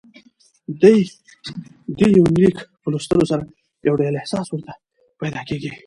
ددې یونلیک په لوستلو سره يو ډول احساس ورته پېدا کېږي